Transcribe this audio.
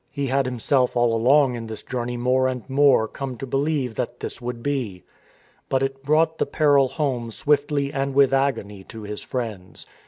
He had himself all along in this journey more and more come to believe that this would be. But it brought the peril home swiftly and with agony to his friends.